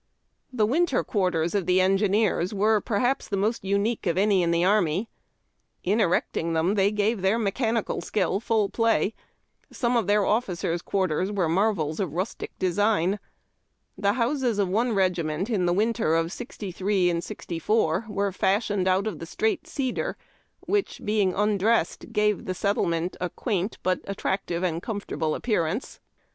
The winter quarters of the engineers were, perhaps, the most unique of any in the army. In erecting them they gave their mechanical skill full play. Some of their officers' quarters were marvels of rustic design. The houses of one regiment in the winter of '63 4 were fashioned out of the straight cedar, which, being undressed, gave the settlement a quaint but attractive and comfortable appearance.